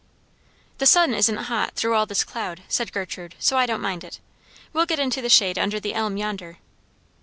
"The sun isn't hot, through all this cloud," said Gertrude, "so I don't mind it. We'll get into the shade under the elm yonder."